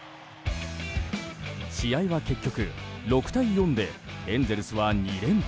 試合は結局６対４でエンゼルスは２連敗。